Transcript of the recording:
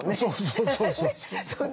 そうそうそうそう。